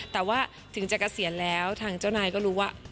แต่ว่าถึงจะเกษียณแล้วทางเจ้านายก็รู้ว่า